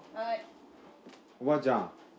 おばあちゃん。